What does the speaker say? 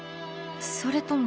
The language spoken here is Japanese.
それとも。